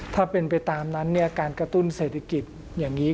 ถ้าเป็นไปตามนั้นการกระตุ้นเศรษฐกิจอย่างนี้